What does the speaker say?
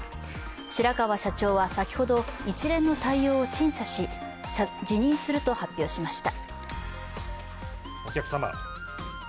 白川社長は先ほど、一連の対応を陳謝し辞任すると発表しました。